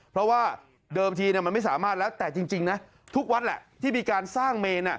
เพราะว่าเดิมทีมันไม่สามารถแล้วแต่จริงนะทุกวัดแหละที่มีการสร้างเมน